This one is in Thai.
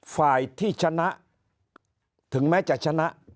ฝ่ายที่ชนะถึงแม้จะชนะ